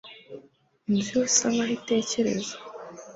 Inzu yose isa nkaho itekereza